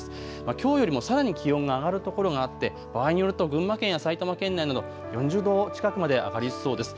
きょうよりもさらに気温が上がるところがあって場合によると群馬県や埼玉県内など４０度近くまで上がりそうです。